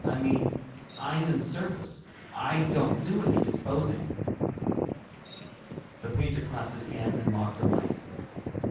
I mean, I'm in service. I don't do any disposing." The painter clapped his hands in mock delight.